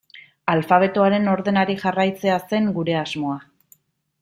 Alfabetoaren ordenari jarraitzea zen gure asmoa.